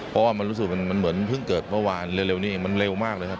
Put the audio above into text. เพราะว่ามันรู้สึกมันเหมือนเพิ่งเกิดเมื่อวานเร็วนี้มันเร็วมากเลยครับ